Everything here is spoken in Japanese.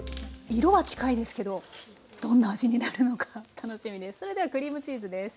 色は近いですけどどんな味になるのか楽しみです。